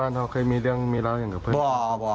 ไม่ไห็นไม่ไห็นครับ